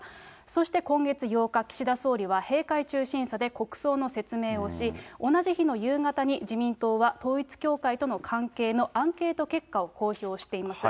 そして、今月８日、岸田総理は閉会中審査で国葬の説明をし、同じ日の夕方に自民党は統一教会との関係のアンケート結果を公表しています。